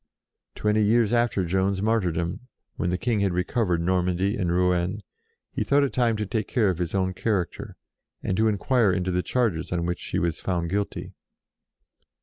Twenty years after Joan's martyrdom, when the King had recovered Normandy and Rouen, he thought it time to take care of his own character, and to inquire into the charges on which she was found guilty.